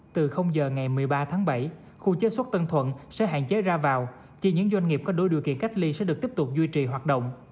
từ giờ ngày một mươi ba tháng bảy khu chế xuất tân thuận sẽ hạn chế ra vào chỉ những doanh nghiệp có đủ điều kiện cách ly sẽ được tiếp tục duy trì hoạt động